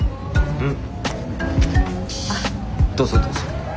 うん。